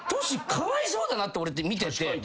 かわいそうだなって見てて。